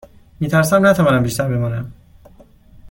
می ترسم نتوانم بیشتر بمانم.